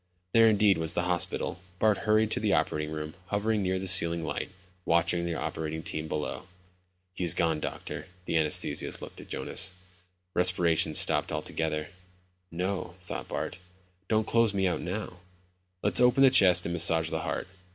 There indeed was the hospital. Bart hurried to the operating room, hovering near the ceiling light, watching the operating team below. "He's gone, doctor." The anesthetist looked at Jonas. "Respiration's stopped altogether." No, thought Bart. Don't close me out now. "Let's open the chest and massage the heart."